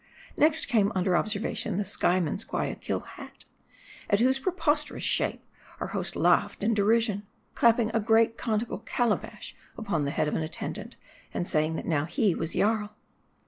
Next came under observation the Skyeman's Guayaquil hat ; at whose preposterous shape, our host laughed in deri sion ; clapping a great conical calabash upon the head of an attendant, and saying that now he was Jarl.